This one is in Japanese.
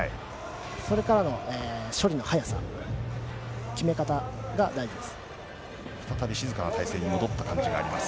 そのあとの処理の速さ、決め方が大事です。